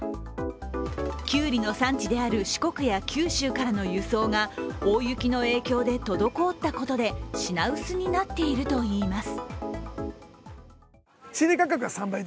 キュウリの産地である四国や九州からの輸送が大雪の影響で滞ったことで品薄になっているといいます。